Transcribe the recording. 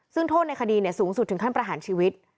ซึ่งโทษในคดีสูงสุดถึงขั้นประหารชีวิต